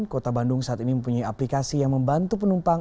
kota bandung saat ini mempunyai aplikasi yang membantu penumpang